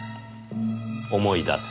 「思い出す。